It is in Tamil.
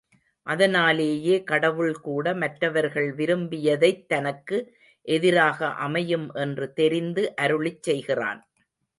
அதனாலேயே கடவுள் கூட மற்றவர்கள் விரும்பியதைத் தனக்கு எதிராக அமையும் என்று தெரிந்து அருளிச்செய்கிறான்.